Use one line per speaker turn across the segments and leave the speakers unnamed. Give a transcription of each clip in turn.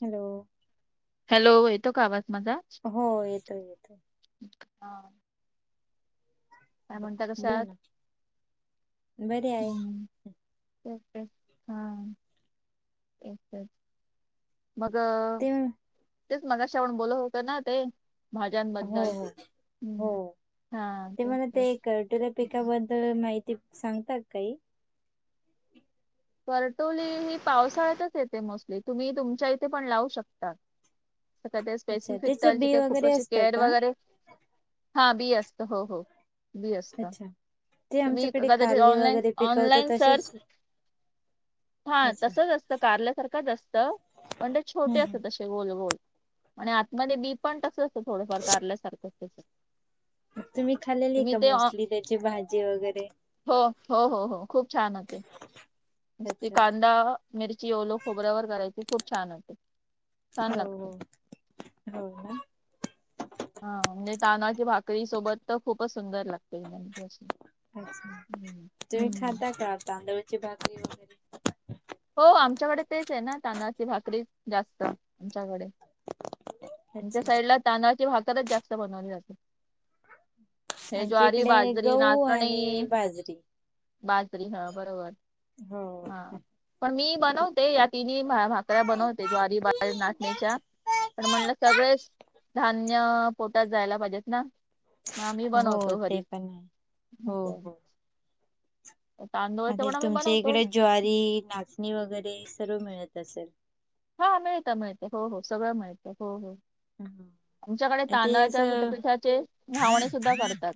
Hello
hello येतो का आवाज माझा
हो येतोय येतोय
आ काय म्हणता कश्या
बोला
आहात
ना बरी आहे
हू तर काय हा एकट मग
ते हो
तेच मगाशी आपण बोलत होतो ना ते
हो
भाज्यांबद्दल
हो हो
हम्म हा
ते
तेच
मला ते
तेच
करटुर पिका बद्दल माहिती सांगता का काही
परटुली ही पावसाळ्यातच येते मोस्टली तुम्ही तुमच्या इथे पण लावू शक ता तर
अच्छा
स्पेसिफिक
त्याच
त्याची
बी
काय
वगैरे
खूपअशी
असतं
केअर
का
वगैरे हा बी असत हो हो बी असत
अच्छा ते
तुम्ही
आमच्याकडे
कदाचित
कारली
ऑनलाईन
वगैरे पिकवतात
ऑनलाईन सर्च
तसेच
हा
अच्छा
तसच असतं कारल्यासारखंच असतं पण ते छोटे
हम्म
असतात
हम्म
तसे गोल गोल आणि आतमध्ये बी पण तसंच असतं थोडंफार कारल्यासारखंच तस
तुम्ही खाल्लेली का मोस्टली त्याची भाजी वगैरे
हो हो हो हो खूप छान होते नुसती
अच्छा
कांदा मिरची ओल खोबऱ्यावर करायची खूप छान होते छान
हो
लागते
हो हो ना
हा म्हणजे तांदळाच्या भाकरी सोबत तर खूपच सुंदर लागते म्हणजे अशी
अच्छा
हम्म.
तुम्ही
हम्म.
खाता का तांदळाची भाकरी वगैरे
हो आमच्याकडे तेच हाय ना तांदळाची भाकरी जास्त आमच्याकडे आमच्या
अच्छा
साईडला तांदळाची भाकरच जास्त बनवली जाते हे
आमच्या
ज्वारी
इकडे
बाजरी
गहू आणि
नाचणी
बाजरी
बाजरी हा बरोबर
हो
हा पण मी बनवते या तिनी भाकऱ्या बनवते ज्वारी बाजरी नाचणीच्या पण म्हणलं सगळेच धान्य पोटात जायला पाहिजेत ना म आम्ही
हो
बनवतो
ते
घरीच
पण आहे हो
असं आहे
हो
तांदूळचं
आणि
पण आम्ही
तुमच्या
बनवतो
इकडे ज्वारी नाचणी वगैरे सर्व मिळत असल
हा मिळत मिळत हो हो सगळं मिळत हो हो
हं.
आमच्याकडे
आणि ते
तांदळाच्या
असं
पीठाचे घावणे सुद्धा करतात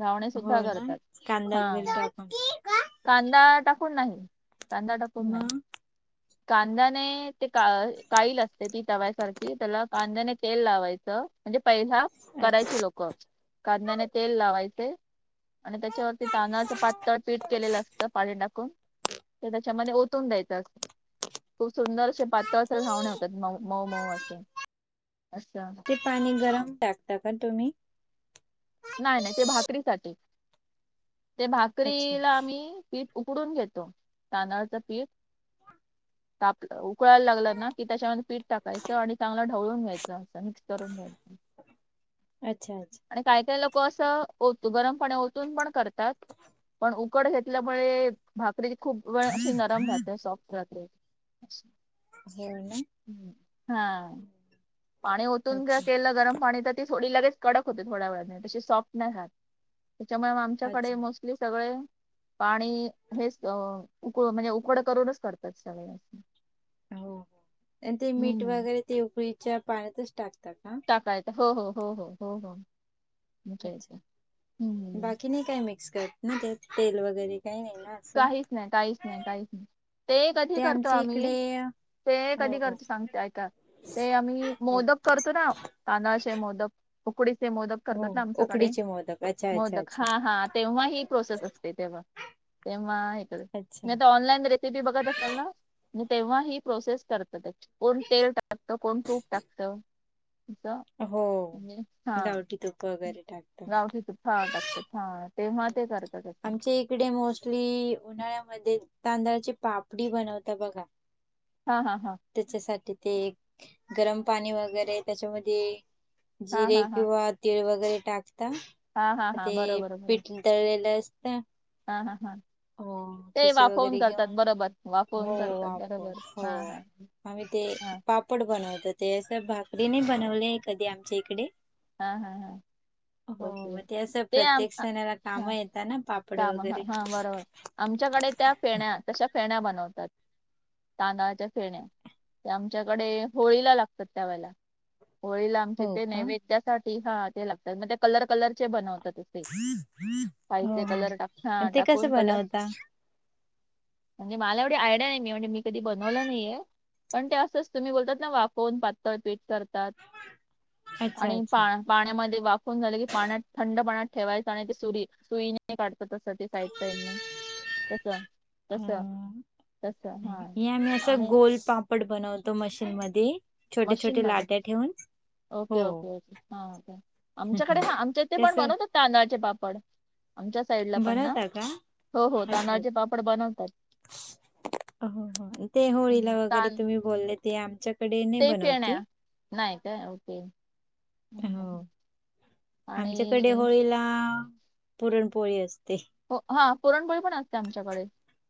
घावणे सुुद्धा
हो ना
करतात
कांदा वगैरे
हा
टाकून
कांदा टाकून नाही कांदा टाकून नाय.
मग
कांद्याने ते का काईल असते ती तव्यासारखी त्याला कांद्याने तेल लावायच म्हणजे पहिला करायची
अच्छा.
लोक कांद्याने तेल लावायचे. आणि त्याच्यावरती तांदळाच पातळ पीठ केलेल असत पाणी टाकून. तो त्याच्यामध्ये ओतून द्यायच. खूप सुंदर असे पातळ अस घावणे होतात मऊ मऊ असे अस.
ते पाणी गरम टाकता का तुम्ही?
नाय नाय, ते भाकरीसाठी ते
अच्छा
भाकरीला आम्ही पीठ उकडून घेतो तांदळाच पीठ. ताप उकळायला लागल ना, कि त्याच्यामध्ये पीठ टाकायच आणि चांगल ढवळून घ्यायच अस मिक्स करून घ्यायच.
अच्छा अच्छा
आणि काही काही लोक अस ओत गरम पाणी ओतून पण करतात. पण उकड घेतल्यामुळे भाकरी त खूप वेळ अशी नरम राहते, सॉफ्ट राहतेे.
हो ना
हां पाणी ओतून जर
अच्छा
केल गरम पाणी तर ती थोडी लगेच कडक होते. थोड्या वेळाने तशी सॉफ्ट नाही रहात. त्याच्यामुळे मग आमच्याकडे
अच्छा
मोस्टली सगळे पाणी हेच उकळून म्हणजे उकड करूनच करतात सगळे.
हो हो आणि ते मीठ
हम्म.
वगैरे ते उकळीच्या पाण्यातच टाकता का?
टाकायच हो हो हो हो हो हो. आमच्या इथे
अच्छा,
हम्म.
बाकी नाही काय मिक्स करत ना ते तेल वगैरे काही नाही ना. असं
काहीच नाही काहीच नाही काहीच नाही ते कधी करतो
आमच्या
आम्ही.
इकडे
ते
हो
कधी
हो
करतो सांगते ऐका, ते आम्ही मोदक करतो ना तांदळाचे मोदक, उकडीचे मोदक
हो
करतात ना आमच्याकडे.
उकडीचे मोदक अच्छा अच्छा
मोदक
अच्छा
हा हा तेव्हा ही प्रोसेस असते तेव्हा. तेव्हा हे कर.
अच्छा
तुम्ही आता ऑनलाईन रेसिपी बघत असाल ना? म तेव्हा ही प्रोसेस करतात ऍक्च्युली कोण तेल टाकत, कोण तूप टाकत. त
हो
म्हणजे छान
गावठी तूप वगैरे टाकता
गावठीच छान टाकतात छान. तेव्हा ते करता करता.
आमच्या इकडे मोस्टली उन्हाळ्यामध्ये तांदळाची पापडी बनवता बघा.
हां हां हां
त्याच्यासाठी ते एक गरम पाणी वगैरे त्याच्यामध्ये
हा
जिरे
हा हा
किंवा तीळ वगैरे टाकता.
हा हा हा
ते
बरोबर
पिट तळलेल असत.
हां हां हां ते
खिशी
वाफवून
वगैरे
करतात
घेऊन
बरोबर
हो
वाफवून करतात
वापर
बरोबर.
हो
हां हां.
आम्ही ते पापड बनवतो ते अस भाकरी नाही बनवले कधी आमच्या इकडे.
हां हां हां
हो मग ते अस प्रत्येक
आ-
सणाला काम
हा
येतात ना पापड
काम हा
वगैरे.
हा बरोबर आमच्याकडे त्या फेण्या तशा फेण्या बनवतात. तांदळाच्या फेण्या ते आमच्याकडे होळीला लागतात ठेवायला. होळीला आमच्या
हो
इथे
का
नैवेद्यासाठी हा ते लागतात मग ते कलर कलर चे बनवतात.
हो
खायचे
हो
कलर टा ह
ते कसं
टाकून कलर
बनवता
म्हणजे मला एवढी आयडिया नाही मी म्हणजे मी कधी बनवल नाहीये. पण ते असच तुम्ही बोलतात ना वाफवून पातळ पीठ करतात.
अच्छा
आणि पा
अच्छा!
पाण्यामध्ये वाफून झालं की पाण्यात थंड पाण्यात ठेवायच आणि सुरी सुईने काढत तसं साईड ने तस, तस.
अं, हे आम्ही अस
आणि
गो पापड बनवतो मशीन मध्ये छोटे छोटे
मशीनमध्ये
लाट्या ठेवून. हो
ओके ओके हा.
हम्म.
आमच्याकडे हा आमच्या इथे पण
तस
बनवतात. तांदळाचे पापड आमच्यात साईड ला पण ना,
बनवता का
हो हो
अच्छा
तांदळाचे पापड बनवतात.
हो, ते
हं.
होळीला वगैरे
तां
तुम्ही बोलले ते आमच्या
ते पयेण्या नाही का, ओके.
हो आमच्याकडे
आणि
होळीला, पुरणपोळी असते.
हो पुरणपोळी असते आमच्याकडे,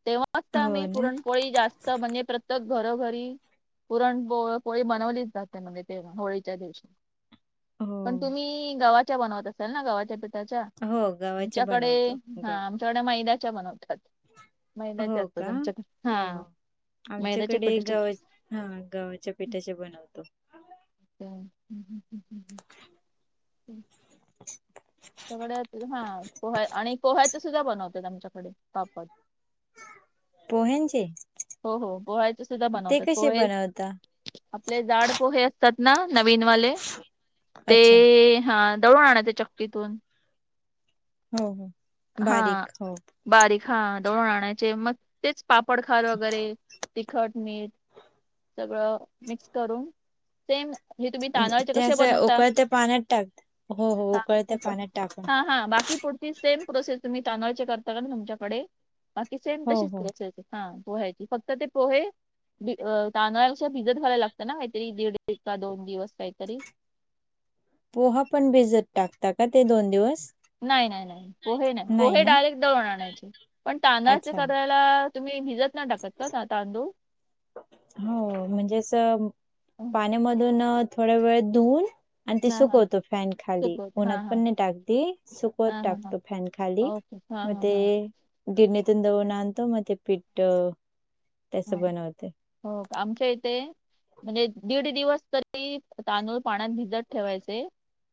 तेव्हाच
हो
आम्ही
ना
पुरणपोळी जास्त म्हणजे प्रत्येक घरो घरी पुरण पो पोळी बनवलीच जाते, म्हणजे ते होळीच्या दिवशी. पण
हो.
तुम्ही, गव्हाच्या बनवत असाल ना, गव्हाच्या पिठाच्या
हो गव्हाचे
आुमच्याकडे
बनवतो
हा,
गव्हा
आमच्याकडे मैद्याच्या बनवतात. मैद्याच्या
हो
असतात
कि?
आमच्याकडे हा
होत.
मैद्याच्या
आमच्याकडे
पिठाच्या
गव्हाचा हा गव्हाच्या पिठाच्याबनवतो.
ह [inaudible] [inaudible]
[inaudible]
त्याच्याकडे हा पोह्या आणि पोह्याचे सुद्धा बनवतात, आमच्याकडे पापड.
पोह्यांचे?
हो, हो. पोह्यांचे सुद्धा
ते
बनवतात.
कसे
पोहे,
बनवता?
आपले जाड पोहे सतना नवीनवाले, ते
अच्छा
हा दळून आणचे चक्कीतून.
हो हो.
हा.
बारीक हो
बारीक हा, दळूण आणायचे मग तेच पापडखार वगैरे तिखट, मीठ सगळं मिक्स करून सेम हे तुम्ही तांदळाचे
ते
कसे
असं
बनवता?
उकळत्या पाण्यात टाक हो हो
हा
उकळत्या पाण्यात टाकून
हा. हा बाकी पुढती सेम प्रोसेस तुम्ही तांदळचे करता का तुमच्याकडे बाकी सेम
हो हो.
तशीचय हा, पोहायची फक्त ते पोहे भ तांदळा भिजत व्हायला लागतं ना, काहीतरी दीड का दोन दिवस काहीतरी.
पोहा पण भिजत टाकता का ते दोन दिवस?
नाही नाही नाही पोहे नाही, पोहे डायरेक्ट दळून आणायचे. पण तांदळाचे
अच्छा.
करायला तुम्ही. भिजत नाही टाकत का तांदूळ?
हो. म्हणजे अस
हं,
पाण्यामधून थोड वेळ धुवून आणि ती
हा हा
सुकवतो फॅन खाली,
सुकवत
उनात
हा हा
पण नाही टाकते सुकवत
हा हा हा
टाकतो, फॅन खाली.
ओके हा
मग
हा
ते
हा.
गिरणीतून दळून आणतो, मग ते पीठ तस
हा
बनवतात.
आमच्या इथे म्हणजे, दीड दिवस तरी तांदूळ पाण्यात भिजत ठेवायचे.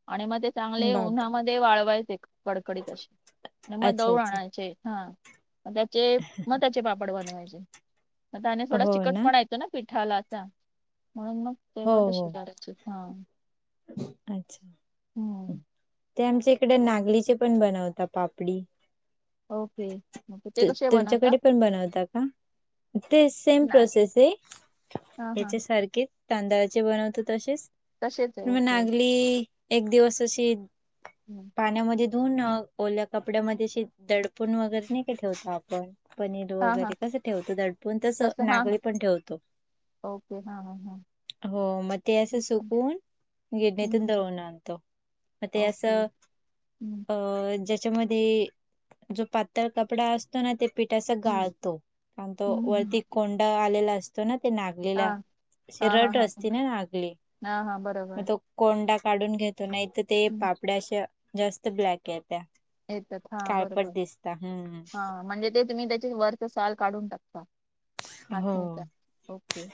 आणि मग ते चांगले
बापरे
उन्हामध्ये ते वाळवायचे कडकडीत असे, आणि मग
अच्छा
दळून
अच्छा
आणायचे हा. मग त्याचे, मग त्याचे पापड बनवायचे. आता आणि थोडा चिकट पणा येतो ना पिठाला असा. म्हणून मग
हो
तेव्हा त श
हो
करायच हा.
अच्छा
हम्म
ते आमच्या हिकडं नागलीचे पण बनवतात पापडी
ओके, ओके ते
तू
कसे बनवता
तुमच्याकडे पण बनवता का? ते सेम
नाही
प्रोसेस आहे
हा हा
याच्यासारखे तांदळाचे बनवतो तसेच,
तसेच आहे
म
ओके
नागली एक दिवस अशी
ह
पाण्यामध्ये धुवून, ओल्या कपड्यामध्ये शी दडपून वगैरे नाही का ठेवतो आपण पनीर
हा हा
वगैरे कसं ठेवतो दडपून, तस
तसं हा
नागळी
हा
पण ठेवतो.
ओके, ह हां
हो, म ते असं सुकून गिरणीतून
हम्म.
दळून आणतो, मग ते
ओके
असं
हम्म,
अ अ ज्याच्यामध्ये जो पातळ कपडा अस तो ना ते पीठ अस
हम्म.
गाळतो, आणि तो
हम्म, हम्म.
वरती कोंडा आलेला अस- तो ना ते
हा
नागलेला
हा
श
हा
रट
हा हा
असते ना नागलेली [unintelligible]
हा हा बर
मग तो कोंडा काढून घेतो, नाही तर ते
हम्म,
पापड्याशा जास्त ब्लॅक येत्या
येतात हा बरोबर,
काळपट दिसता हम्म
हा म्हणजे ते तुम्ही त्याची वरच साल काढून टाकता
हो
नाचण्याचा ओके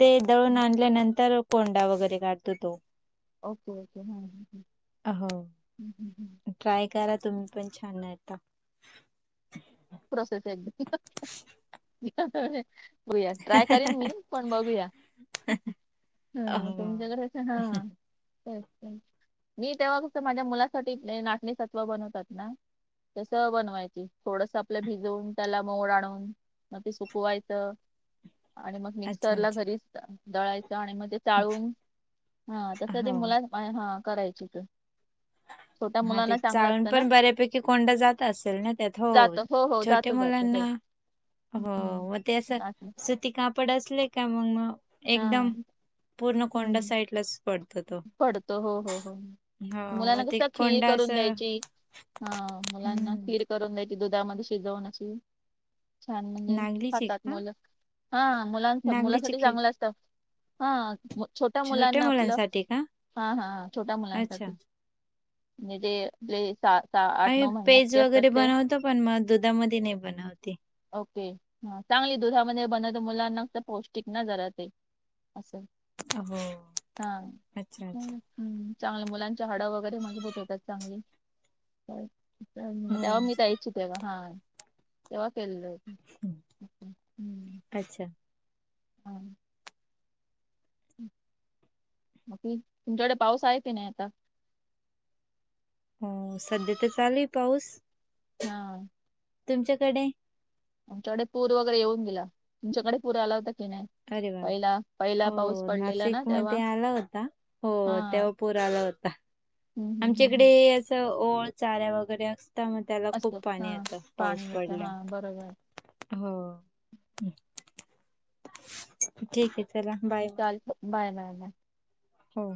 ते दळून आणल्यानंतर कोंडा वगैरे काढतो तो
ओके हम्म
हो.
[unintelligible]
ट्राय करा तुम्ही पण छान येतात
[unintelligible] [unintelligible] ट्राय करीण मी, पण बघुया.
हो
[unintelligible] मी तेव्हा कस माझ्या मुलासाठी नाचणीसत्व बनवतात ना तस बणवायची थोडस आपलं भिजून त्याला मोड आणून मग ते सुकवायचं. आणि मग
अच्छा
मिक्सर ला
अच्छा.
घरीच दळायचं आणि मग ते चाळून हा तस ते
हो
मुलाच हा करायच [unintelligible]
हा ते चाळून पण बऱ्यापैकी कोंडा जात असेल ना? त्यात हो
जात हो हो जात
छोट्या
जात हो
मुलांना हो मग ते
हम्म असं
अस ती कापड असले का मम
हा
एकदम पूर्ण कोंडा
हम्म
साईडलाच पडतो तो.
पडतो हो हो हो
हो मग
मुलांना
ते
कस खीर
कोंडा
करून
असं
द्यायची हा मुलांना खीर
हम्म
करून द्यायची दुधामध्ये शिजवून अशी छान म्हणजे
नागलीचे
खातात
का
मुलं, हा मुलां
नागलीचे
मुलासाठी
खेळ
चांगलं अस- [unintelligible] हा छोट्या मुलांना आपलं
मुलांसाठी का?
हा हा छोट्या
अच्छा.
मुलांसाठी म्हणजे तेे ते ता अ आठ नऊ महिन्याचे असतात ते
तो पण मग दुधामध्ये नई बनवते
ओके ह चांगली दुधामध्ये बनत मुलाना पौष्टिक ना जरा ते
हो
हा
अच्छा अच्छा.
हम्म हम्म चांगल मुलांच्या हाड वगैरे मजबूत होतात चांगली
हो
तेव्हा मी द्यायची तेव्हा हं केलो
अच्छा
[unintelligible] तुमच्याकडे पाऊस आहे की नाही आता?
हो सध्या तरी चालू आहे पाऊस.
हा
तुमच्याकडे?
आमच्याकडे पूर वगैरे येऊन गेला. तुमच्याकडे पूर आला होता की नाही?
अरे बापरे!
पहिला पहिला पाऊस
हो
पडलेला
नाशिक
ना तेव्हा
मध्ये आला होता. हो
हा
तेव्हा पूर आला होता.
हम्म हम्म हम्म
आमच्याकडे
हम्म.
असं ओळ, चाऱ्या वगैरे असत म- त्याला खूप
असतो हा
पाणी येतं पाऊस
पाणी येतं हा
पडल्यावर.
बरोबर
हो ठीके. चला. बाय... मग
चालत बाय बाय बाय...
हो